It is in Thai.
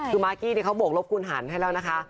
คือมากกี้เขาบวกลบคุณหันให้แล้วนะคะ